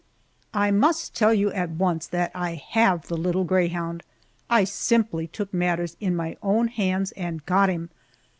I must tell you at once that I have the little greyhound. I simply took matters in my own hands and got him!